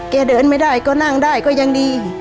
เดินไม่ได้ก็นั่งได้ก็ยังดี